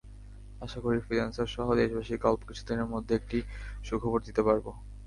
আশা করি ফ্রিল্যান্সারসহ দেশবাসীকে অল্প কিছুদিনের মধ্যে একটি সুখবর দিতে পারব।